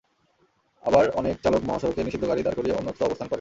আবার অনেক চালক মহাসড়কে নিষিদ্ধ গাড়ি দাঁড় করিয়ে অন্যত্র অবস্থান করেন।